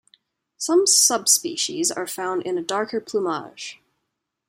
Some subspecies are found in a darker plumage.